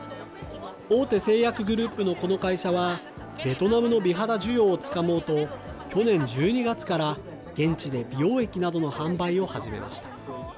大手製薬グループのこの会社は、ベトナムの美肌需要をつかもうと、去年１２月から現地で美容液などの販売を始めました。